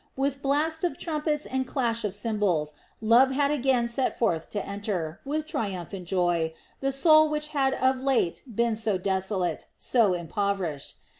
With blast of trumpets and clash of cymbals love had again set forth to enter, with triumphant joy, the soul which had of late been so desolate, so impoverished.